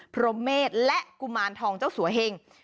พรมเมษและกุมารทองเจ้าสัวเหง